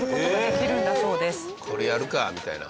これやるかみたいな。